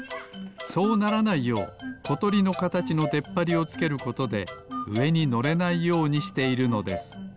そうならないようことりのかたちのでっぱりをつけることでうえにのれないようにしているのです。